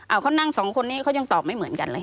เขานั่งสองคนนี้เขายังตอบไม่เหมือนกันเลย